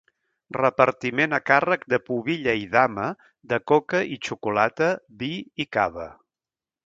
Repartiment a càrrec de pubilla i dama de coca i xocolata, vi i cava.